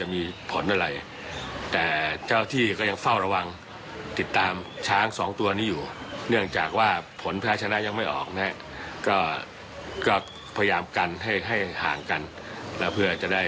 มีอาการบาดเจ็บมากขึ้น